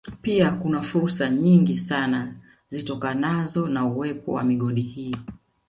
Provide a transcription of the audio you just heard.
Pia kuna fursa nyingi sana zitokanazo na uwepo wa migodi hii